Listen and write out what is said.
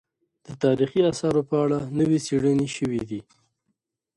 د تاريخي اثارو په اړه نوې څېړنې شوې دي.